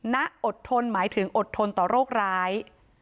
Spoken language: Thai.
ณอดทนหมายถึงอดทนต่อโรคร้าย